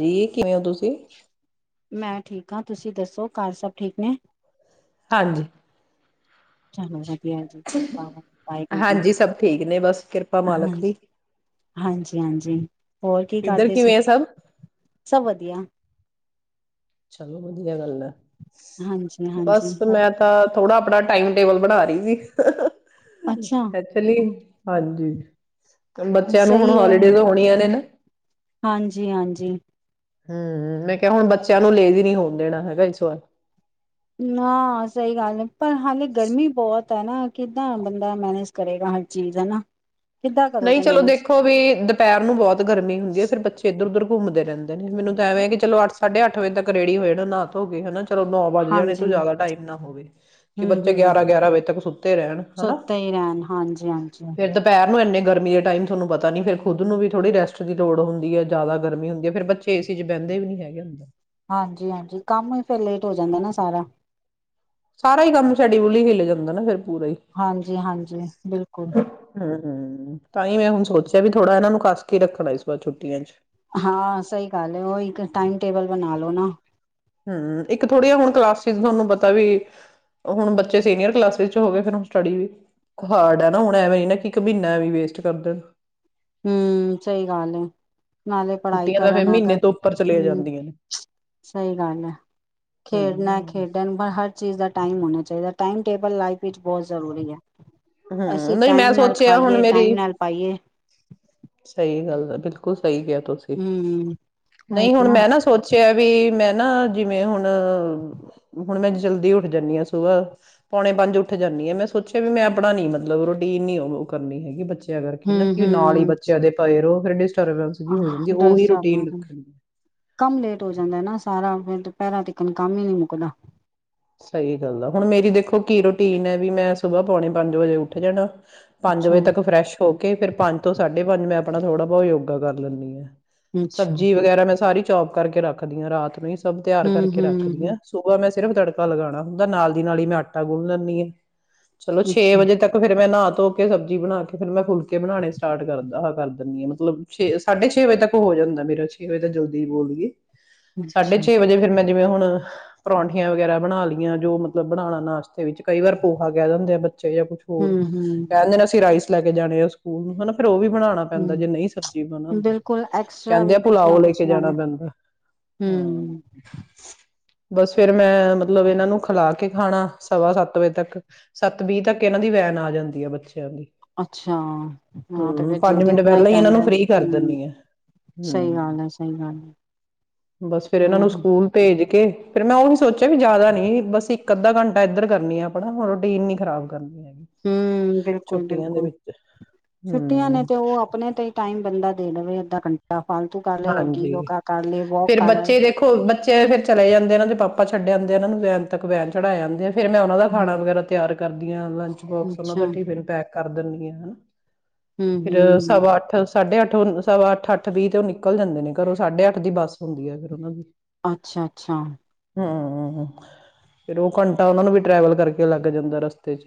ਜੀ ਕਿਵੇਂ ਹੋ ਤੁਸੀਂ? ਮੈਂ ਠੀਕ ਹਾਂ ਤੁਸੀਂ ਦੱਸੋ ਘਰ ਸਭ ਠੀਕ ਨੇ। ਹਾਂਜੀ। [unintelligible] ਵਧੀਆ ਜੀ ਕਿਰਪਾ ਵਾਹਿਗੁਰੂ ਜੀ ਦੀ ਹਾਂਜੀ ਸਭ ਠੀਕ ਨੇ ਬਸ ਕਿਰਪਾ ਹਾਂ ਮਾਲਕ ਦੀ ਹਾਂਜੀ- ਹਾਂਜੀ, ਹੋਰ ਕੀ ਇੱਧਰ ਕਰਦੇ ਸੀ? ਕਿਵੇਂ ਆ ਸਭ? ਸਭ ਵਧੀਆ ਚਲੋ ਵਧੀਆ ਗੱਲ ਹੈ। ਹਾਂਜੀ ਹਾਂਜੀ ਬਸ ਹੋਰ ਮੈਂ ਤਾਂ ਥੋੜਾ ਆਪਣਾ ਟਾਈਮ ਟੇਬਲ ਬਣਾ ਰਹੀ ਸੀ। ਅੱਛਾ ਐਕਚੁਲੀ ਹਾਂਜੀ ਬੱਚਿਆਂ ਨੂੰ ਹੁਣ ਹੋਲੀਡੇਜ਼ ਹੋਣੀਆਂ ਨੇ ਨਾ। ਹਾਂਜੀ-ਹਾਂਜੀ। ਹਮ ਮੈਂ ਕਿਹਾ ਹੁਣ ਬੱਚਿਆਂ ਨੂੰ ਲੈਜ਼ੀ ਨੀ ਹੋਣ ਦੇਣਾ ਇਸ ਵਾਰ। ਨਾ ਸਹੀ ਗੱਲ ਏ। ਪਰ ਹਾਲੇ ਗਰਮੀ ਬਹੁਤ ਕਿਦਾਂ ਬੰਦਾ ਮੈਨੇਜ ਕਰੇਗਾ ਹਰ ਚੀਜ਼ ਹਨਾ। ਕਿੱਦਾਂ ਨਹੀਂ ਕਰੋਗੇ ਚਲੋ ਮੈਨੇਜ ਦੇਖੋ ਵੀ ਦੁਪਹਿਰ ਨੂੰ ਬਹੁਤ ਗਰਮੀ ਹੁੰਦੀ ਹੈ ਫੇਰ ਬੱਚੇ ਇੱਧਰ-ਉੱਧਰ ਘੁੰਮਦੇ ਰਹਿੰਦੇ ਮੈਨੂੰ ਤਾਂ ਐਵੇਂ ਕਿ ਚਲੋ ਅੱਠ ਸਾਢੇ ਅੱਠ ਵਜੇ ਤੱਕ ਰੇਡੀ ਹੋ ਜਾਨ ਨਾਂਹ ਥੋ ਕੇ ਹਨਾ ਚਲੋ ਨੌ ਵੱਜ ਜਾਣੇ ਹਾਂਜੀ ਤੋਂ ਜ਼ਿਆਦਾ ਟਾਈਮ ਨਾ ਹੋਵੇ ਕਿ ਹਮ ਬੱਚੇ ਹਮ ਗਿਆਰਾਂ ਗਿਆਰਾਂ ਵਜੇ ਤੱਕ ਸੁੱਤੇ ਰਹਿਣ ਹਨਾ ਸੁੱਤੇ ਹੀ ਰਹਿਣ ਹਾਂਜੀ ਹਾਂਜੀ ਫੇਰ ਦੁਪਹਿਰ ਮੰਨੇ ਗਰਮੀ ਦੇ ਟਾਈਮ ਤੁਹਾਨੂੰ ਪਤਾ ਨੀ ਫਿਰਰ ਖੁਦ ਨੂੰ ਵੀ ਥੋੜੀ ਰੈਸਟ ਦੀ ਲੋੜ ਹੁੰਦੀ ਹੈ ਜ਼ਿਆਦਾ ਗਰਮੀ ਹੁੰਦੀ ਫਿਰ ਬੱਚੇ ਏਸੀ ਚ ਬਹਿੰਦੇ ਵੀ ਨੀ ਹੈਗੇ। ਹਾਂਜੀ ਹਾਂਜੀ ਕੰਮ ਹੀ ਫਿਰ ਲੇਟ ਹੋ ਜਾਂਦਾ ਨਾ ਸਾਰਾ। ਸਾਰਾ ਹੀ ਕੰਮ ਸ਼ੁਦੂਲ ਹਿਲ ਜਾਂਦਾ ਨਾ ਫੇਰ। ਹਾਂਜੀ ਹਾਂਜੀ ਬਿਲਕੁਲ। ਹਮ ਹਮ ਤਾਂ ਹੀ ਮੈਂ ਹੁਣ ਸੋਚਿਆਂ ਵੀ ਥੋੜਾ ਇਹਨਾਂ ਨੂੰ ਕੱਸ ਕੀ ਰੱਖਣਾ ਇਸ ਵਾਰ ਛੁੱਟੀਆਂ ਚ। ਹਾਂ ਸਹੀ ਗੱਲ ਹੈ ਉਹੀ ਟਾਈਮ ਟੇਬਲ ਬਣਾ ਲੋ ਨਾ। ਹਮ, ਇੱਕ ਥੋੜੀ ਜ ਹੁਣ ਕਲਾਸਿਸ ਤੁਹਾਨੂੰ ਪਤਾ ਵੀ ਹੁਣ ਬੱਚੇ ਸੀਨੀਅਰ ਕਲਾਸਿਸ ਚ ਹੋ ਗਏ ਫ ਸਟੱਡੀ ਵੀ ਹਾਰਡ ਆ ਨਾ ਹੁਣ ਐਵੇਂ ਇੱਕ ਮਹੀਨਾ ਐ ਵੇਸਟ ਕਰਦੇ। ਹਮ ਸਹੀ ਗੱਲ ਏ। ਛੁੱਟੀਆਂ ਤਾਂ ਫੇਰ ਮਹੀਨੇ ਤੋਂ ਉੱਪਰ ਚਲੇ ਹਮ ਜਾਂਦੀਆਂ। ਸਹੀ ਗੱਲ ਹੈ ਖੇਡਣਾ ਹਮ ਖੇਡਣ ਹਰ ਚੀਜ਼ ਦਾ ਟਾਈਮ ਹੋਣਾ ਚਾਹੀਦਾ, ਟਾਈਮ ਟੇਬਲ ਲਾਈਫ ਵਿੱਚ ਬਹੁਤ ਜ਼ਰੂਰੀ ਹੈ। ਹਮ ਅਸੀਂ ਨਹੀਂ ਟਾਈਮ ਮੈਂ ਨਾਲ ਸੋਚਿਆ ਹੁਣ ਖਾਈਏ ਟਾਈਮ ਮੇਰੀ ਨਾਲ ਪਾਈਏ ਸਹੀ ਗੱਲ ਬਿਲਕੁਲ। ਸਹੀ ਕਿਆ ਤੁਸੀਂ, ਹਮ ਨਹੀਂ ਹੁਣ ਮੈਂ ਨਾ ਸੋਚਿਆ ਵੀ ਮੈਂ ਨਾ ਜਿਵੇਂ ਹੁਣ, ਹੁਣ ਮੈਂ ਜਲਦੀ ਉੱਠ ਜਾਂਨੀ ਹਾਂ ਸੁਭਾ ਪੌਣੇ ਪੰਜ ਉੱਠ ਜਾਂਨੀ ਹਾਂ, ਮੈਂ ਸੋਚਿਆ ਵੀ ਮੈਂ [unintelligible] ਨਹੀਂ ਮਤਲਬ ਰੋਟੀਨ ਨੀ ਉਹ ਕਰਨੀ ਹੈਗੀ ਬੱਚੇ ਬੱਚਿਆਂ ਕਰਕੇ ਨਾ ਕਿ ਨਾਲ ਹੀ ਬੱਚਿਆਂ ਦੇ ਪਏ ਰੋ। [unintelligible] ਆਹ ਡਰੈਸ ਚਾਰ ਕੰਮ ਲੇਟ ਹੋ ਜਾਂਦਾ ਨਾ ਸਾਰਾ। ਫੇਰ ਦੁਪੈਰਾਾਂ ਤੀਕਨ ਕੰਮ ਈ ਨਈ ਮੁੱਕਨਾ। ਸਹੀ ਗੱਲ ਆ। ਹੁਣ ਮੇਰੀ ਦੇਖੋ ਕੀ ਰੂਟੀਨ ਏ ਵੀ ਮੈਂ ਸੁਬਾਹ ਪੋਣੇ ਪੰਜ ਵਜੇ ਉੱਠ ਜਾਣਾ। ਪੰਜ ਅੱਛਾ ਵਜੇ ਤੱਕ ਫਰੈਸ਼ ਹੋ ਕੇ ਫਿਰ ਪੰਜ ਤੋਂ ਸਾਢੇ ਪੰਜ ਮੈਂ ਆਪਣਾ ਥੋੜਾ ਬੋਤ ਯੋਗਾ ਕਰ ਲੈਂਦੀ ਆਂ। ਅੱਛਾ ਸਬਜੀ ਵਗੈਰਾ ਮੈਂ ਸਾਰੀ ਚੌਪ ਕਰਕੇ ਰੱਖਦੀ ਆਂ ਰਾਤ ਨੂੰ ਈ ਸ ਸਭ ਤਿਆਰ ਹਮ ਕਰਕੇ ਰੱਖਦੀ ਹਮ ਆਂ ਸੁਬਾਹ ਮੈਂ ਤਿਰਮ [unintelligible] ਪੱਕਾ ਲਗਾਨਾ ਹੁੰਦਾ ਨਾਲ ਦੀ ਨਾਲ ਈ ਮੈਂ ਆਟਾ ਗੁਨ ਲੈਂਦੀ ਆਂ। ਚਲੋ ਛੇ ਅੱਛਾ ਵਜੇ ਤੱਕ ਫੇਰ ਮੈਂ ਨਾ। ਧੋ ਕੇ ਸਬਜ਼ੀ ਬਨਾ ਕੇ ਫੇਰ ਮੈਂ ਫੁਲਕੇ ਬਣਾਣੇ ਸਟਾਰਟ ਕਰਦਾ ਹ ਕਰ ਦਿੰਦੀ ਆਂ। ਮਤਲਬ ਛੇ ਸਾਢੇ ਛੇ ਵਜੇ ਤੱਕ ਹੋ ਜਾਂਦਾ ਮੇਰਾ ਛੇ ਵਜੇ ਜਲਦੀ ਬੋਲਦਈਏ। ਸਾਢੇ ਅੱਛਾ ਛੇ ਵਜੇ ਫੇਰ ਮੈਂ ਜਿਵੇਂ ਹੁਣ ਪਰੌਂਠੀਆਂ ਵਗੈਰਾ ਬਣਾ ਲਈਆਂ ਜੋ ਮਤਲਬ ਬਣਾਣਾ ਨਾਸ਼ ਵਿੱਚ ਕਈ ਵਾਰ ਪੋਹਾ ਕਹਿ ਦਿੰਦੇ ਆ ਬੱਚੇ ਜਾਂ ਕੁਛ ਹੋਰ ਹਮ ਹਮ ਕਹਿ ਦਿੰਦੇ ਨੇ ਅਸੀਂ ਰਾਈਸ ਲੈ ਕੇ ਜਾਣੇ ਆ ਸਕੂਲ ਨੂੰ ਹੇਨਾ ਫੇਰ ਉਹ ਵੀ ਬਣਾਣਾ ਹਮ ਪੈਂਦਾ ਜੇ ਨਹੀਂ ਸਬਜ਼ੀ ਬਨਾਂਦੇ। ਬਿਲਕੁਲ ਐਕਸਟਰਾ ਕੇਂਦੇ ਆ ਵੀ ਕੁਛ ਨਾ ਪੁੁਲਾਓ ਲੈ ਕੁਛ ਕੇ ਇਹਨਾਂ ਜਾਣਾ ਨੇ ਪੈਂਦਾ ਹੁੰ। ਹੂੰ ਬਸ ਫੇਰ ਮੈਂ ਮਤ ਲਬ ਇਹਨਾਂ ਨੂੰ ਖਿਲਾ ਕੇ ਖਾਣਾ ਸਵਾ ਸੱਤ ਵਜੇ ਤੱਕ ਸੱਤ ਬੀਹ ਤੱਕ ਇਹਨਾਂ ਦੀ ਵੈਨ ਆ ਜਾਂਦੀ ਆ ਬੱਚਿਆਂ ਦੀ। ਅੱਛਾ, ਹਾਂ ਤੇ ਹੂੰ, ਫਿਰ ਪੰਜ ਜਲਦੀ ਮਿੰਟ ਉੱਠਨਾ ਈ ਪਹਿਲਾਂ ਹੀ ਇਹਨਾਂ ਨੂੰ ਪੈਂਦਾ, ਫ੍ਰਰੀ ਕਰ ਹੁੰ ਦਿੰਨੀ ਆ ਸਹੀ ਹੂੰ। ਗੱਲ ਏ, ਸਹੀ ਗੱਲ ਏ, ਹੁੰ। ਫਿਰ ਮੈਂ ਉਹ ਈ ਸੋਚਿਆ ਵੀ ਜ਼ਿਆਦਾ ਨੀ ਬਸ ਇੱਕ ਅੱਧਾ ਘੰਟਾ ਇੱਧਰ ਕਰਨੀ ਆ ਆਪਣਾ ਹੋਰ ਰੋਟੀਨ ਨੀ ਖਰਾਬ ਕਰਨੀ। ਹੈਗੀ। ਹੁੰ, ਬਿਲਕੁਲ, ਛੁੱਟੀਆਂ ਦੇ ਬਿਲਕੁਲ ਵਿੱਚ ਛੁੱਟੀਆਂ ਨੇ ਹੂੰ, ਤੇ ਉਹ ਆਪਣੇ ਤੇ ਹੀ ਟਾਈਮ ਬੰਦਾ ਦੇ ਦੇਵੇ ਅੱਧਾ ਘੰਟਾ ਫਾਲਤੂ ਕਰ ਲਏ ਹੋਰ ਕੀ ਹਾਂਜੀ। ਯੋਗਾ ਕਰ ਲੇ ਵੋਕ ਕਰ ਆਏ। ਤੇ ਫਿਰ ਚਲੇ ਜਾਂਦੇ ਆ ਇਹਨਾਂ ਦੇ ਪਾਪਾ ਛੱਡ ਜਾਂਦੇ ਆ ਇਹਨਾਂ ਨੂੰ ਵੈਨ ਤਕ ਵੈਨ ਚੜਾ ਜਾਂਦੇ ਆ। ਫੇਰ ਮੈਂ ਉਹਨਾਂ ਦਾ ਖਾਣਾ ਹੂੰ ਵਗੈਰਾ ਤਿਆਰ ਕਰਦੀਆਂ [unintelligible] ਲੰਚ ਬੋਕਸ ਔਨਾ ਅੱਛਾ ਦਾ ਟਿਫੇਨ ਪੈਕ ਕਰ ਦਨਗੀਆਂ ਹੇਨਾ। ਹੂੰ ਫੇਰ ਹੂੰ ਸਵਾ ਅੱਠ ਸਾਢੇ ਅੱਠ ਸਵਾ ਅੱਠ, ਅੱਠ ਬੀਹ ਤੇ ਓ ਨਿਕ ਨਿਕੱਲ ਜਾਂਦੇ ਨੇ ਘਰੋਂ, ਸਾਢੇ ਅੱਠ ਦੀ ਬੱਸ ਹੁੰਦੀ ਐ ਫੇਰ ਔਨਾਂ ਦੀ, ਅੱਛਾ ਅੱਛਾ ਹੁੰ। ਹੁੰ, ਫੇਰ ਓਹ ਘੰਟਾ ਔਨਾ ਨੂੰ ਵੀ ਟਰੈਵਲ ਕਰਕੇ ਲੱਗ ਜਾਂਦਾ ਰਸਤੇ ਚ।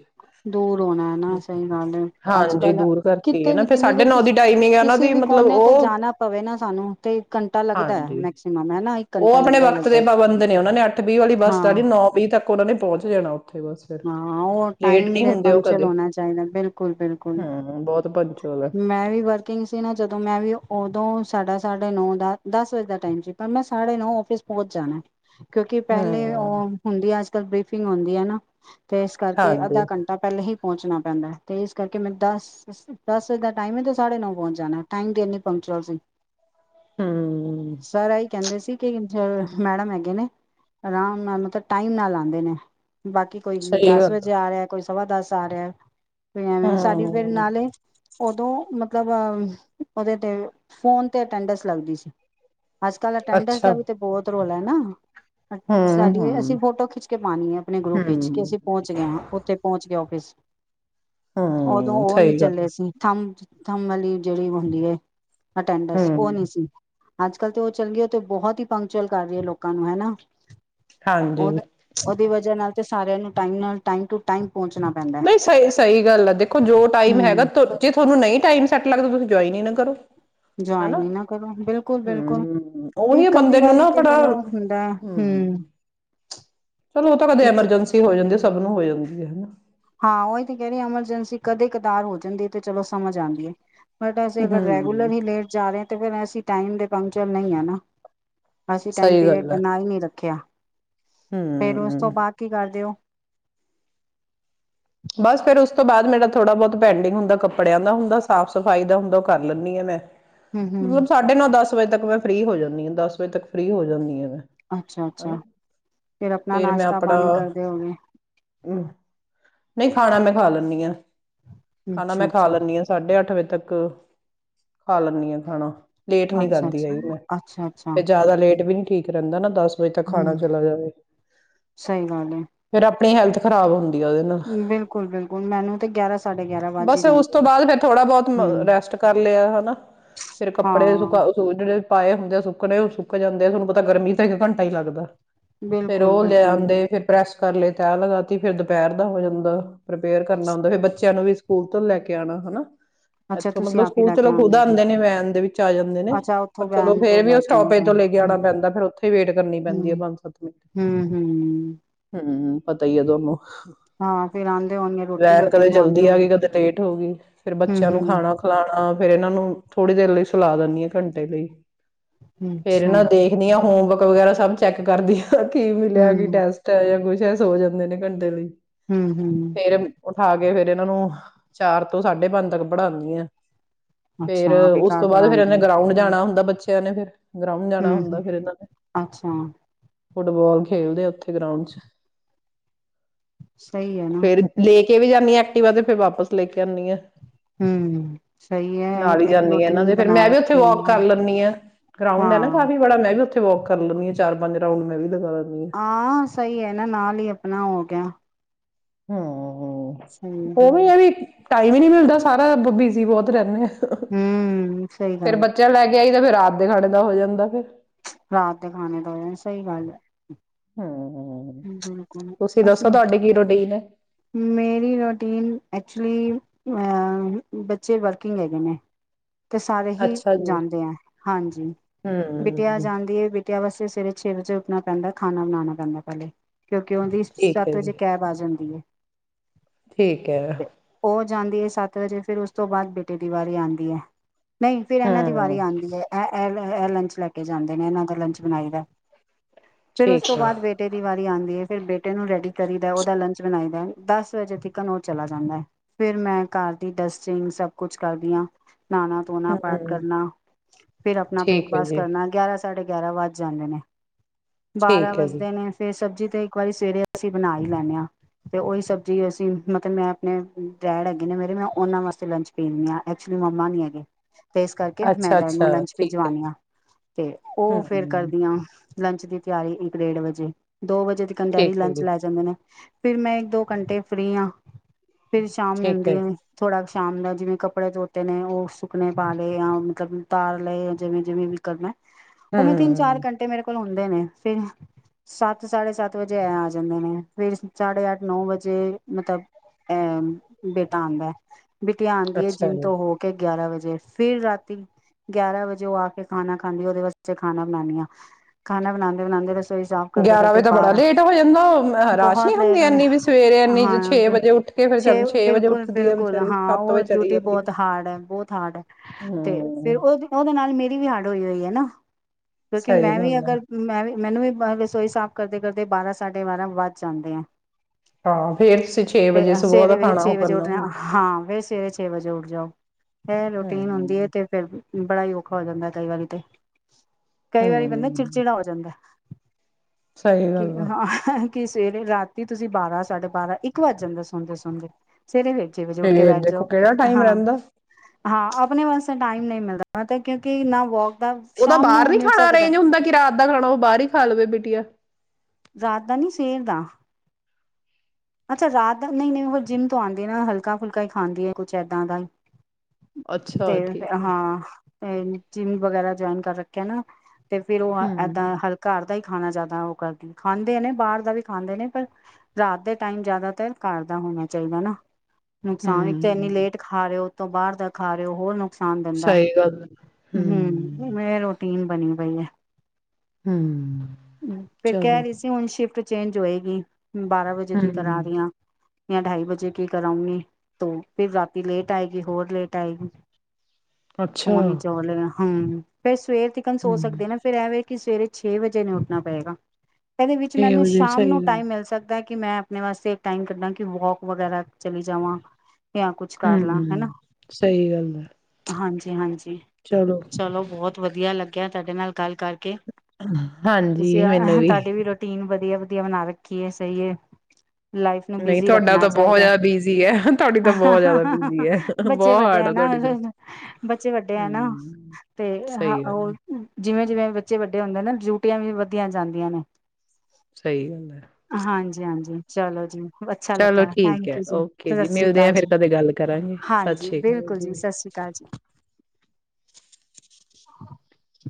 ਦੂਰ ਹੋਣਾ ਏ ਨਾ ਸਹੀ ਗੱਲ ਐ। ਹਾਂਜੀ, ਅੱਜ-ਕੱਲ, ਦੂਰ ਕਰਕੇ ਹੈ ਕਿੱਥੇ ਨਾ ਵੀ ਫਿਰ ਦਿੱਲੀ ਸਾਢੇ ਦੇ ਨੌ ਦੀ ਕਿਸ ਟਾਈਮਿੰਗ ਹੈ ਉਹਨਾਂ ਕਿਸੀ ਦੀ ਵੀ ਮਤਲਬ ਕੋਨੇ ਤੇ ਉਹ ਜਾਨਾ ਪਵੇ ਨਾ ਸਾਨ ਹਾਂਜੀ, ਹਨਾ ਇੱਕ ਔ ਘੰਟਾ ਆਪਣੇ ਲੱਗਦਾ ਹੀ ਵਕਤ ਲੱਗਦਾ ਦੇ ਹੈ। ਪਾਬੰਦ ਨੇ ਔਨਾਂ ਨੇ ਅੱਠ ਵੀਹ ਵਾਲੀ ਬੱਸ ਦਾ ਹਾਂ ਵੀ ਨੋ ਵੀਹ ਤੱਕ ਔਨਾਂ ਨੇ ਪੌਂਚ ਜਾਣੈ ਔ ਹਾਂ ਔ ਟਾਈਮ ਦੇ ਉਹ ਪੰਚਲ ਕਦੇ ਹੋਣਾ ਚਾਹੀਦੈ, ਬਿਲਕੁਲ ਬਿਲਕੁਲ। ਹੂੰ, ਬਹੁਤ ਪੰਚੁਅਲ ਹੈ ਮੈਂ ਵੀ ਵਰਕਿੰਗ ਸੀ ਨਾ ਜਦੋਂ ਮੈਂ ਵੀ ਔਦੋਂ ਸਾਡਾ ਸਾਢੇ ਨੌ ਦਾ ਦਸ ਵਜੇ ਦਾ ਟਾਈਮ ਸੀ ਪਰ ਮੈਂ ਸਾਢੇ ਨੌ ਔਫਿਸ ਪੌੰਚ ਜਾਣੈ। ਕਿਉਂਕਿ ਪੈਲੇ ਅ ਹੂੰ, ਹੁੰਦੀ ਐ ਅਜ ਕਲ ਬ੍ਰੀਫਿੰਗ ਹੁੰਦੀ ਐ ਨਾ। ਤੇ ਇਸ ਕਰਕੇ ਹਾਂਜੀ ਅੱਧਾ ਘੰਟਾ ਪੈਲਾਂ ਹੀ ਪਹੁੰਚਣਾ ਪੈਂਦਾ ਐ ਤੇ ਇਸ ਕਰਕੇ ਮੈਂ ਦਸ ਦਸ ਵਜੇ ਦਾ ਟਾਈਮ ਏ ਤੇ ਸਾਢੇ ਨੌ ਪੌੰਚ ਜਾਣੈ ਟਾਈਮ ਦੀ ਇੰਨੀ ਪੰਕਚੁਅਲ ਸੀ। ਹੂੰ, ਸਰ ਐਈ ਕੈੰਦੇ ਸ ਸੀ [unintelligible] ਮੈਡਮ ਹੈਗੇ ਨੇ ਆਰਾਮ ਨਾਲ ਮਤਲਬ ਟਾਈਮ ਨਾਲ ਆਦੇ ਨੇ। ਬਾਕੀ ਕੋਈ ਸਹੀ ਦਸ ਗੱਲ ਵਜੇ ਆ ਰਿਐ ਕੋਈ ਸਵਾ ਦੱਸ ਆ ਰਿਐ। ਕੋਈ ਐਵੇਂ ਸਾਡੀ ਫੇਰ ਹੂੰ, ਨਾਲੇ ਔਦੋਂ ਮਤਲਬ ਔਦੇ ਤੇ ਫੋਨ ਤੇ ਅਟੈਂਡਸ ਲੱਗਦੀ ਸੀ। ਅੱਜ ਕੱਲ੍ਹ ਅਟੈਂਡਸ ਦਾ ਅੱਛਾ ਵੀ ਹੂੰ, ਤੇ ਬੋਤ ਔ ਰੋਲਾ ਏ ਨਾ। ਸਾਡੀ ਅਸੀਂ ਹੂੰ, ਫੋਟੋ ਖਿੱਚ ਕੇ ਪਾਣੀ ਐ ਆਪਣੇ ਗਰੁੱਪ ਇਚ ਕਿ ਹੂੰ, ਅਸੀਂ ਪੌਂਚ ਗਏ ਆਂ ਔਥੇ ਪੌਂਚ ਗਏ ਆ ਔਫਿਸ। ਔਦੋਂ ਹੂੰ, ਔਹ ਨੀ ਸਹੀ ਚੱਲੇ ਗੱਲ ਸ ਥੰਮ ਥੰਮ ਵਾਲੀ ਜੇੜੀ ਹੁੰਦੀ ਏ। ਅਟੈਂਡਸ ਔ ਨ੍ਹੀਂ ਹੂੰ, ਸੀ। ਅੱਜ ਕੱਲ੍ਹ ਤੇ ਔ ਚੱਲ ਗੀ ਏ ਤੇ ਬਹੋਤ ਹੀ ਪੰੰਕਚੁਅਲ ਕਰ ਰੀ ਏ ਲੋਕਾਂ ਨੂੰ, ਹੈਨਾ। ਹਾਂਜੀ। ਔਦੇ ਔਦੀ ਵਜ੍ਹਾ ਨਾਲ ਤੇ ਸਾਰਿਆਂ ਨੂੰ ਟਾਈਮ ਨਾਲ ਟਾਈਮ ਟੂ ਟਾਈਮ ਪਹੁੰਚਣਾ ਪੈਂਦਾ [unintelligible] ਨਹੀਂ ਸਹੀ ਸਹੀ ਗੱਲ ਆ ਦੇਖੋ ਜੋ ਟਾਈਮ ਹੈਗਾ ਹਮ [unintelligible] ਜੇ ਤੁਹਾਨੂੰ ਨਹੀਂ ਟਾਈਮ ਸੈੱਟ ਲੱਗਦਾ ਤੁਸੀਂ ਜੁਇਨ ਹੀ ਨਾ ਕਰੋ [unintelligible] ਜੁਆਇਨ ਹਨਾ ਹੀ ਨਾ ਕਰੋ ਬਿਲਕੁਲ ਬਿਲਕੁਲ ਹਮ ਉਹੀ ਆ ਇੱਕ ਅੱਧੀ ਬੰਦੇ ਨੂੰ ਵਾਰੀ ਨਾ ਤੇ ਬੜਾ ਚਲੋ ਹੁੰਦਾ ਹਮ [unintelligible] ਚਲੋ ਉਹ ਤਾਂ ਕਦੇ ਐਮਰਜੈਂਸੀ ਹੋ ਜਾਂਦੀ [unintelligible] ਸਭ ਨੂੰ ਹੋ ਜਾਂਦੀ ਹੈ ਹਨਾ [unintelligible] ਹਾਂ ਉਹੀ ਤੇ ਕਹਿ ਰ ਐਮਰਜੈਂਸੀ ਕਦੇ ਕਤਾਰ ਹੋ ਜਾਂਦੀ ਹੈ ਤੇ ਚਲੋ ਸਮਝ ਆਉਂਦੀ ਹੈ [unintelligible] ਬਟੇ ਅਗਰ ਰੈਗੂਲਰ ਹਮ ਹੀ ਲੇਟ ਜਾ ਰਹੇ [unintelligible] ਤੇ ਫਿਰ ਅਸੀਂ ਟਾਈਮ ਦੇ ਪੰਚਰ ਨਹੀਂ ਆ ਨਾ ਅਸੀਂ ਟਾਈਮ ਸਹੀ ਪੀਰੀਅਡ ਗੱਲ ਹੈ ਬਣਾ ਹੀ ਨੀ ਰੱਖਿਆ ਫੇਰ ਉਸ ਤੋਂ ਹਮ ਬਾਅਦ ਕੀ ਕਰਦੇ ਹੋ ਬਸ ਫੇਰ ਉਸ ਤੋਂ ਬਾਅਦ ਮੇਰਾ ਥੋੜਾ ਬਹੁਤ ਪੈਂਡਿੰਗ ਹੁੰਦਾ ਕੱਪੜਿਆਂ ਦਾ ਹੁੰਦਾ ਸਾਫ਼ ਸਫ਼ਾਈ ਦਾ ਹੁੰਦਾ ਉਹ ਕਰ ਲੈਂਦੀ ਆ ਮੈਂ ਹੂੰ ਹੂੰ ਸਾਡੇ ਨੌ ਦੱਸ ਦਸ ਵਜੇ ਤੱਕ ਮੈਂ ਫਰੀ ਹੋ ਜਾਂਦੀ ਹਾਂ ਦਸ ਵਜੇ ਤੱਕ ਫਰੀ ਹੋ ਜਾਂਦੀ ਮੈਂ [unintelligible] ਅੱਛਾ ਅੱਛਾ ਹਨਾ ਫੇਰ ਆਪਣਾ ਨਾਸ਼ਤਾ ਪਾਣੀ ਕਰਦੇ ਹੋਓਗੇ [unintelligible] ਹਮ [unintelligible] ਨਹੀਂ ਖਾਣਾ ਮੈਂ ਖਾ ਲੈਂਦੀ ਹਾਂ ਖਾਣਾ ਮੈਂ ਖਾ ਅੱਛਾ-ਅੱਛਾ, ਲੈਂਣੀ ਹਾਂ ਸਾਢੇ ਅੱਠ ਵਜੇ ਤੱਕ ਖਾ ਲੈਂਦੀ ਹਾਂ ਖਾਣਾ ਲੇਟ ਨੀ ਕਰਦੀ ਅੱਛਾ-ਅੱਛਾ, ਹੈਗੀ ਮੈਂ ਅੱਛਾ-ਅੱਛਾ ਫੇਰ ਜ਼ਿਆਦਾ ਲੇਟ ਵੀ ਨੀ ਠੀਕ ਰਹਿੰਦਾ ਨਾ ਦਸ ਤੱਕ ਖਾਣਾ ਹੂੰ ਚਲਾ ਜਾਵੇ ਸਹੀ ਗੱਲ ਏ। ਫਿਰ ਆਪ [unintelligible] ਹੈਲਥ ਖਰਾਬ ਹੋ ਜਾਂਦੀ [inaudible] ਦੇ ਨਾ ਬਿਲਕੁਲ-ਬਿਲਕੁਲ ਮੈਨੂੰ ਤੇ ਗਿਆਰਾਂ ਸਾਢੇ ਗਿਆਰਾਂ ਵੱਜ ਹੀ ਬਸ ਉਸ ਜਾਂਦੇ ਤੋਂ ਨੇ ਬਾਅਦ ਫੇਰ ਥੋੜਾ ਬਹੁਤ ਹੂੰ ਰੈਸਟ ਕਰ ਲਿਆ ਹਨਾ ਫੇਿਰ ਕੱਪੜੇ ਹਾਂ ਸੁਕਾ ਜਿਹੜੇ ਪਾਏ ਹੁੰਦੇ ਆ ਸੁੱਕਣੇ ਉਹ ਸੁੱਕ ਜਾਂਦੇ ਆ ਤੁਹਾਨੂੰ ਪਤਾ ਗਰਮੀ ਤਾਂ ਇੱਕ ਘੰਟਾ ਹੀ ਲੱਗਦਾ ਫੇਰ ਉਹ ਲੈ ਬਿਲਕੁਲ-ਬਿਲਕੁਲ ਆਂਦੇ ਫੇਰ ਪ੍ਰੈਸ ਕਰਲੇ ਤੈ ਲਗਾਤੀ ਫਿਰ ਦੁਪਹਿਰ ਦਾ ਹੋ ਜਾਂਦਾ ਪ੍ਰਪੇਅਰ ਕਰਨਾ ਹੁੰਦਾ ਫੇਰ ਬੱਚਿਆਂ ਨੂੰ ਵੀ ਸਕੂਲ ਤੋਂ ਲੈ ਕੇ ਆਨਾ ਹਨਾ [unintelligible] ਅੱਛਾ ਇੱਥੋਂ ਤੁਸੀਂ ਮਤਲਬ ਆਪ ਹੀ ਸਕੂਲ ਲੈ ਤੇ ਕੇ ਲੋਕ ਖੁਦ ਆਉਂਦੇ ਹੋ ਆਂਦੇ ਨੇ ਵੈਨ ਦੇ ਵਿੱਚ ਆ ਜਾਂਦੇ ਨੇ ਅੱਛਾ ਉੱਥੋਂ ਪਰ ਚਲੋ ਵੈਨ ਫੇਰ ਤੋਂ ਵੀ ਲੈ ਉਹ ਕੇ ਆਉਂਦਾ ਸਟੋਪੇਜ ਤੋਂ ਲੈ ਕੇ ਹੂੰ ਆਨਾ ਪੈਂਦਾ ਫੇਰ ਉੱਥੇ ਹੀ ਵੇਟ ਕਰਨੀ ਪੈਂਦੀ ਹੈ ਹੂੰ ਪੰਜ ਸੱਤ ਮਿੰਟ ਹੂੰ ਹੂੰ ਹਮ ਹ ਪਤਾ ਈ ਹੈ ਤੁਹਾਨੂੰ ਹਾਂ ਫੇਰ ਆਉਂਦੇ ਹੋਣਗੇ ਰੋਟੀ ਵੈਨ ਰੋਟੀ ਕਦੇ ਖਵਾਉਂਦੇ ਜਲਦੀ ਹੋ ਆ ਗਈ ਕਦੇ ਲੇਟ ਹੋ ਗਈ ਫੇਰ ਹੂੰ ਬੱਚਿਆਂ ਨੂੰ ਹੂੰ ਖਾਣਾ ਖਿਲਾਣਾ ਫੇਰ ਇਹਨਾਂ ਨੂੰ ਥੋੜ੍ਹੀ ਦੇਰ ਲਈ ਸੁਲਾ ਦਿੰਦੀ ਆ ਘੰਟੇ ਲਈ ਹੂੰ ਫੇਰ ਅੱਛਾ ਨਾ ਦੇਖਨੀ ਆ ਹੋਮ ਵਰਕ ਵਗੈਰਾ ਸਭ ਚੈੱਕ ਕਰਦੀ ਹਾਂ ਕੀ ਮਿਲਿਆ ਕੀ ਹੂੰ ਟੈਸਟ ਹੈ ਯਾ ਕੁਛ ਫੇਰ ਸੋ ਜਾਂਦੇ ਨੇ ਘੰਟੇ ਲਈ ਹਮ ਫੇਰ ਉਠਾ ਕੇ ਫੇਰ ਇਹਨਾਂ ਨੂੰ ਚਾਰ ਤੋਂ ਸਾਢੇ ਪੰਜ ਤੱਕ ਪੜ੍ਹਾਂਨੀ ਆ ਫੇਰ ਅੱਛਾ ਆਪ ਹੀ ਉਸ ਘਰ ਤੋਂ ਬਾਅਦ ਫੇਰ ਬਣਾਉਂਦੇ ਏਨੇ ਹੋ ਗਰਾਉਂਡ ਹੂੰ ਜਾਣਾ ਹੁੰਦਾ ਬੱਚ ਯਾਨੀ ਫਿਰ ਗਰਾਊਡ ਜਾਣਾ ਹੂੰ ਹੁੰਦਾ ਹੂੰ ਫਿਰ ਏਨਾਂ ਨੇ। ਅੱਛਾ ਫੁੱਟਬਾਲ ਖੇਲਦੇ ਔਥੇ ਗਰਾਉਂਡ ਚ ਸਈ ਐ ਨਾ। ਫੇਰ ਲੈ ਕੇ ਵੀ ਜਾਂਨੀ ਐਕਟੀਵਾ ਤੇ ਫੇਰ ਵਾਪਸ ਲੈ ਕੇ ਆਨੀ ਆਂ। ਹੂੰ ਸਹੀ ਹੈ ਨਾਲ ਈ ਇੱਕ ਜਾਂਣੀ ਆਂ ਏਨਾਂ ਦੇ ਰੂਟੀਨ ਫੇਰ ਬਣਾ ਮੈਂ ਵੀ ਉੱਥੇ ਰੱਖੀ ਵੋਕ ਕਰ ਹੈ ਲੰਨੀ ਆਂ, ਗਰਾਉਂਡ ਐ ਨਾ ਹਾਂ ਕਾਫੀ ਬੜਾ ਮੈਂ ਵੀ ਉੱਥੇ ਵੋਕ ਕਰ ਲਂ ਚਾਰ-ਪੰਜ ਰਾਊਂਡ ਮੈਂ ਵੀ ਲਗਾ ਲੈਂਦੀ ਆਂ, ਸਈ ਐ ਨਾ ਨਾਲ ਈ ਅਪਨਾ ਔ ਕਿਉਂ ਹੂੰ। ਹੂੰ-ਹੂੰ। ਟਾਈਮ ਈ ਨਈ ਮਿਲਦਾ ਸਾਰਾ ਆਪਾ ਬਿਜ਼ੀ ਬੋਤ ਰਹਿੰਦੇ ਨੇ। ਹੂੰ ਸਹੀ ਫੇਰ ਗੱਲ ਬੱਚਾ ਲੈ ਕੇ ਆਈ ਤਾਂ ਫ਼ਿਰ ਆਪ ਦੇ ਖਾਣੇ ਦਾ ਹੋ ਜਾਂਦਾ ਫਿਰ। ਰਾਤ ਦੇ ਖਾਣੇ ਦਾ ਹੂੰ। ਅਸੀ, ਕੀ ਰੋਟੀਨ ਹੈ? ਮੇਰੀ ਰੋਟੀਨ ਐਕਚੁਲੀ ਅ ਬੱਚੇ ਵਰਕਿੰਗ ਹੈਗੇ ਨੇ ਤੇ ਸਾਰੇ ਹੀ ਅੱਛਾ ਜੀ, ਜਾਂਦੇ ਐਂ, ਹਾਂਜੀ। ਬਿਟਿਆ ਹੂੰ ਜਾਂਦੀ ਏ ਬਿਟਿਆ ਵਾਸੇ ਸਵੇਰੇ ਛੇ ਵਜੇ ਵੋ ਕੈਂਦੈ ਖਾਣਾ ਬਣਾਣਾ ਪੈਂਦਾ ਪੈਲੇ। ਕਿਉਂਕਿ ਔਂਦੀ ਠੀਕ ਹੈ ਸੱਤ ਜੀ, ਵਜੇ ਕੈਬ ਆ ਜਾਂਦੀ ਏ। ਠੀਕ ਐ। ਉਹ ਜਾਂਦੀ ਏ ਸੱਤ ਵਜੇ ਫੇਰ ਉਸ ਤੋਂ ਬਾਦ ਬੇਟੇ ਦੀ ਵਾਰੀ ਆਂਦੀ ਐ। ਨਈ ਫਿਰ ਐਨਾਂ ਦੀ ਵਾਰੀ ਹੂੰ ਆਂਦੀ ਏ, ਇਹ ਐ ਲ, ਐ ਲੰਚ ਲੈ ਕੇ ਜਾਂਦੇ ਨੇ ਐਨਾਂ ਦਾ ਲੰਚ ਬਣਾਈਦੈ। ਫਿਰ ਉਸ ਠੀਕ ਤੋਂ ਹੈ। ਬਾਦ ਬੇਟੇ ਵਾਰੀ ਆਂਦੀ ਏ ਫਿਰ ਬੇਟੇ ਨੂੰ ਰੈਡੀ ਕਰੀਦਾ ਔਦਾ ਲੰਚ ਬਣਾਈ ਦਾ। ਦਸ ਵਜੇ ਟਿਕਣ ਔ ਚਲਾ ਜਾਂਦਾ ਐ। ਫਿਰ ਮੈਂ ਘਰ ਦੀ ਡਸਟਿੰਗ ਸਬ ਕੁਛ ਕਰਦੀ ਆਂ। ਨਹਾਣਾ ਧੋਣਾ, ਪਾਠ ਹੂੰ, ਕਰਨਾ, ਫਿਰ ਆਪਣਾ ਠੀਕ ਹੈ ਬ੍ਰੇਕਫਾਸਟ ਜੀ, ਕਰਨਾ ਗਿਆਰਾਂ-ਸਾਡੇ ਗਿਆਰਾਂ ਵੱਜ ਜਾਂਦੇ ਨੇ। ਬਾਰਾਂ ਠੀਕ ਹੈ ਜੀ, ਵਜਦੇ ਨੇ। ਤੇ ਸਬਜ਼ੀ ਤੇ ਇੱਕ ਵਾਰੀ ਸਵੇਰੇ ਅਸੀ ਬਣਾ ਈ ਲੈਂਨੇ ਆਂ ਤੇ ਔਈ ਸਬਜ਼ੀ ਅਸੀ ਮਤਲਬ ਮੈਂ ਆਪਣੇ ਡੈਡ ਹੈਗੇ ਨੇ ਮੇਰੇ ਮੈਂ ਔਨਾਂ ਵਾਸਤੇ ਲੰਚ ਭੇਜਨੀ ਆਂ। ਐਕਚੁਲੀ ਮੰਮਾ ਨੀ ਹੈਗੀ। ਤੇ ਇਸ ਕਰਕੇ ਮੈਂ ਡੈਡ ਨੂੰ ਅੱਛਾ-ਅੱਛਾ ਲੰਚ ਠੀਕ ਹੈ ਭਿਜਵਾਨੀ ਜੀ, ਆਂ ਤੇ ਔ ਫਿਰ ਹੂੰ ਕਰਦੀ ਆਂ ਲੰਚ ਦੀ ਤਿਆਰੀ ਇੱਕ-ਡੇਢ ਵਜੇ ਦੋ ਵਜੇ ਤਿਕਨ ਡੈਡੀ ਠੀਕ ਹੈ ਲੰਚ ਜੀ, ਲੈ ਜਾਂਦੇ ਨੇ। ਫਿਰ ਮੈਂ ਇੱਕ ਦੋ ਘੰਟੇ ਫ੍ਰਰੀ ਹਾਂ। ਫੇਰ ਸ਼ਾਮ ਠੀਕ ਮਿਲਦੀ ਹੈ, ਆ ਥੋੜਾ ਸ਼ਾਮ ਨਾਲ ਜਿਵੇਂ ਕੱਪੜੇ ਤੋਤੇ ਨੇ। ਉਹ ਸੁੱਕਨੇ ਪਾ ਲਏ ਜਾਂ ਮਤਲਬ ਉਤਾਰ ਲਏ ਜਾਂ ਜਿਵੇਂ -ਜਿਵੇਂ ਵੀ ਕਰਨਾ। ਉਹ ਮੈਂ ਤਿੰਨ ਚਾਰ ਹੂੰ ਘੰਟੇ ਮੇਰੇ ਕੋਲ ਆ। ਕਦੇ ਨੇ ਫਿਰ ਸੱਤ ਸਾਢੇ ਸੱਤ ਵਜੇ ਐ ਆਂ ਜਾਂਦੇ ਨੇ, ਫੇਰ ਸਾਢੇ ਅੱਠ ਨੌ ਵਜੇ ਮਤਲਬ ਅਹ ਬੇਟਾ ਆਂਦਾ। ਬਿਟੀਆ ਆਂਦੀ ਏ ਅੱਛਾ ਜਿੰਮ ਜੀ। ਤੋਂ ਹੋ, ਕੇ ਗਿਆਰਾਂ ਵਜੇ। ਫਿਰ ਰਾਤੀ ਗਿਆਰਾਂ ਵਜੇ ਉਹ ਆ ਕੇ ਖਾਣਾ ਖਾਂਦੀ ਉਹਦੇ ਵਾਸਤੇ ਖਾਣਾ ਬਣਾਂਦੀ ਆ, ਖਾਣਾ ਬਣਾਂਦੇ-ਬਣਾਂਦੇ ਰਸੋਈ ਕਰਦੇ ਗਿਆਰਾਂ ਕਰਦੇ ਵਜੇ ਤਾਂ ਬੜਾ ਬਾਰ ਲੇਟ ਹੋ ਜਾਂਦਾ, ਰਾਸ਼ ਨੀ ਬਹੁਤ ਹੁੰਦੀ ਲੇਟਦੇ ਇੰਨੀ ਵੀ ਸਵੇਰੇ ਇੰਨੀ ਛੇ ਹਾਂ, ਵਜੇ ਉੱਠ ਕੇ ਫੇਰ ਛੇ ਚੱਲ ਵਜੇ ਬਿਲਕੁਲ- ਉੱਠਦੀ ਹੈ ਬਿਲਕੁਲ ਵਿਚਾਰੀ, ਹਾਂ ਸੱਤ ਉਹ ਵਜੇ ਚਲੀ ਡਿਊਟੀ ਜਾਂਦੀ। ਬਹੁਤ ਹਾਰਡ ਹੈ। ਬਹੁਤ ਹਾਰਡ ਹੈ, ਤੇ ਫਿਰ ਹੂੰ, ਉਹ ਦੇ ਨਾਲ ਮੇਰੀ ਵੀ ਹਾਰਡ ਹੋਈ ਹੋਈ ਹੈ। ਹਨ ਨਾ। ਕਿਉਂਕਿ ਸਹੀ ਮੈਂ ਵੀ ਗੱਲ ਹੈ, ਅਗਰ ਮੈਂ ਵੀ ਮੈਨੂੰ ਵੀ [unintelligible] ਰਸੋਈ ਸਾਫ਼ ਕਰਦੇ -ਕਰਦੇ ਬਾਰਾਂ ਸਾਢੇ ਬਾਰਾਂ ਵੱਧ ਜਾਂਦੇ ਆ। ਹਾਂ ਫੇਰ ਤੁਸੀਂ ਛੇ ਤੇ ਵਜੇ ਸੁਬਹ ਦਾ ਸਵੇਰੇ ਖਾਣਾ ਛੇ ਉਹ ਵਜੇ ਕਰਨਾ ਉਠਨਾ ਹੁੰਦਾ। ਹਾਂ। ਫੇਰ ਸਵੇਰੇ ਛੇ ਵਜੇ ਉੱਠ ਜਾਓ ਇਹ ਰੂਟੀਨ ਹੂੰ ਹੁੰਦੀ ਹੈ। ਤੇ ਫੇਰ ਬੜਾ ਹੀ ਊਖ ਹੋ ਜਾਂਦਾ ਕਈ ਵਾਰੀ ਤੇ। ਕਈ ਵਾਰੀ ਬੰਦਾ ਹੂੰ, ਚਿੜਚਿੜਾ ਹੋ ਜਾਂਦਾ। ਸਹੀ ਕਿ ਗੱਲ ਆ, ਹ। ਕਿ ਸਵੇਰੇ ਰਾਤੀ ਤੁਸੀਂ ਬਾਰਾਂ ਸਾਢੇ ਬਾਰਾਂ ਇੱਕ ਵੱਜ ਜਾਂਦਾ ਸਣਦੇ- ਸੌਣਦੇ ਸਵੇਰੇ ਵੇਖ ਛੇ ਵਜੇ ਉੱਠ ਕੇ ਫੇਰ ਬੈਠ ਦੇਖੋ ਜਾਓ ਕਿਹੜਾ ਟਾਈਮ ਹਾਂ, ਰਹਿੰਦਾ। ਹਾਂ ਆਪਣੇ ਵਾਸਤੇ ਟਾਈਮ ਨਹੀਂ ਮਿਲਦਾ ਮ ਤਾਂ ਕਿਉਂਕਿ ਨਾ ਵੋਕ। ਦਾ ਉਹਦਾ ਸ਼ਾਮ ਬਾਹਰ ਨੂੰ ਨੀ ਮਿਲ ਖਾਣਾ ਸਕਦਾ ਐਰੇਜ ਹੁੰਦਾ ਕੀ ਰਾਤ ਦਾ ਖਾਣਾ ਉਹ ਬਾਹਰ ਹੀ ਖਾ ਲਵੇ ਬਿਟਿਆ। ਰਾਤ ਦਾ ਨੀ, ਸਵੇਰ ਦਾ ਅੱਛਾ ਰਾਤ ਦਾ ਨਹੀਂ -ਨਹੀਂ ਫਿਰ ਜਿੰਮ ਤੋਂ ਆਉਂਦੀ ਨਾ। ਹਲਕਾ ਫੁਲਕਾ ਹੀ ਖਾਂਦੀ ਹੈ। ਕੁਛ ਇਏਦਾਂ ਦਾ ਹੀ ਤੇ ਅੱਛਾ ਠੀਕ ਐ। ਹਾਂ। ਜਿੰਮ ਵਗੈਰਾ ਜੁਆਇਨ ਕਰ ਰੱਖਿਆ ਨਾ। ਤੇ ਫੇਰ ਉਹ ਹੂੰ, ਇਏਦਾਂ ਹਲਕਾ। ਦਾ ਹੀ ਖਾਣਾ ਜ਼ਿਆਦਾ ਉਹ ਕਰਦੀ ਖਾਂਦੇ ਨੇ ਬਾਹਰ ਦਾ ਵੀ ਖਾਂਦੇ ਨੇ ਪਰ ਰਾਤ ਦੇ ਟਾਈਮ ਜਿਆਦਾਤਰ ਘਰ ਦਾ ਹੋਣਾ ਚਾਹੀਦਾ ਨਾ। ਨੁਕਸਾਨ ਇੱਕ ਤਾਂ ਇੰਨੀ ਹੂੰ, ਲੇਟ ਖਾ ਰਹੇ ਹੋ। ਤੋਂ ਬਾਹਰ ਦਾ ਖਾ ਰਹੇ ਹੋਰ ਨੂੰ ਨੁਕਸਾਨ ਦਿੰਦਾ ਸਹੀ ਗੱਲ ਹੈ। ਹਮ ਹੂੰ, ਮੈਂ ਰੂਟੀਨ ਬਣੀ ਪਈ ਹੈ। ਹੂੰ, ਹ ਫਿਰ ਕਹਿ ਚਲੋ ਰਹੀ ਸੀ ਹੁਣ ਸ਼ਿਫਟ ਚੇਂਜ ਹੋਏਗੀ ਬਾਰਾਂ ਵਜੇ ਦੀ। ਤਰਾਂ ਹੂੰ, ਦੀਆਂ ਜਾਂ ਢਾਈ ਵਜੇ ਕੀ ਕਰਾਉਂਗੀ ਤੋ ਫਿਰ ਰਾਤੀ ਲੇਟ ਆਏਗੀ ਹੋਰ ਲੇਟ ਆਏਗੀ। ਅੱਛਾ ਫੋਨ ਚੋ ਲਿਆ। ਹੂੰ [inaudible] ਸਵੇਰ ਤੀਕਨ ਸੋ ਹੂੰ, ਸਕਦੇ ਫਿਰ ਇਹ ਵੇ ਕਿ ਸਵੇਰੇ ਛੇ ਵਜੇ ਨ ਉੱਠਣਾ ਪਏਗਾ। ਇਹਦੇ ਵਿੱਚ ਛੇ ਮੈਨੂੰ ਵਜੇ ਸ਼ਾਮ ਸਹੀ ਨੂੰ ਗੱਲ ਟਾਈਮ ਮਿਲ ਸਕਦਾ। ਕਿ ਮੈਂ ਆਪਣੇ ਵਾਸਤੇ ਟਾਈਮ ਕੱਢਣਾ ਕਿ ਵੋਕ ਵਗੈਰਾ ਚਲੀ ਜਾਵਾਂ। ਜਾਂ ਕੁਛ ਕਰ ਲਾਂ ਹਨਾ ਹੂੰ ਸਹੀ ਗੱਲ ਐ [inaudible] ਹਾਂਜੀ [inaudible] ਚਲੋ ਬਹੁਤ ਵਧੀਆ ਲੱਗਿਆ ਤੁਹਾਡੇ ਨਾਲ ਗੱਲ ਕਰਕੇ। ਹਾਂਜੀ ਤੁਸੀਂ ਮੈਨੂੰ ਵੀ ਤੁਹਾਡੀ ਰੂਟੀਨ ਵਧੀਆ ਵਧੀਆ ਬਣਾ ਰੱਖੀਏ ਸਹੀ ਏ। ਲਾਈਫ ਨੂੰ ਨਹੀਂ ਬਿਜੀ ਤੁਹਾਡਾ ਰੱਖਣਾ ਤਾਂ ਬਹੁਤ ਚਾਹੀਦਾ ਜ਼ਿਆਦਾ ਬਿਜੀ ਐ, ਤੁਹਾਡੀ ਤਾਂ ਬਹੁਤ ਜ਼ਿਆਦਾ ਬਿਜੀ ਐ, [inaudible] ਬੱਚੇ ਬਹੁਤ ਵੱਡੇ ਹਾਰਡ ਹੈ ਆ ਨਾ ਤੁਹਾਡੀ ਤਾਂ। ਬੱਚੇ ਵੱਡੇ ਹੈ ਨਾ ਹੂੰ, ਤੇ ਸਹੀ ਗੱਲ ਉਹ ਐ, ਜਿਵੇਂ ਜਿਵੇਂ ਬੱਚੇ ਵੱਡੇ ਹੁੰਦੇ ਨਾ ਜੂਟੀਆਂ ਵੀ ਵਧਦੀਆ ਜਾਂਦੀਆਂ ਨੇ। ਸਹੀ ਗੱਲ ਐ। ਹਾਂਜੀ -ਹਾਂਜੀ ਚਲੋ ਜੀ। ਅੱਛਾ ਚਲੋ ਲੱਗਾ ਠੀਕ ਥੈਂਕ ਹੈ ਯੂ ਓਕੇ ਸਤਿ ਜੀ ਸ੍ਰੀ ਮਿਲਦੇ ਆ ਅਕਾਲ ਫਿਰ ਜੀ ਕਦੇ ਗੱਲ ਕਰਾਂਗੇ ਸਤਿ ਹਾਂਜੀ ਸ੍ਰੀ ਅਕਾਲ ਜੀ। ਹਾਂ [inaudible]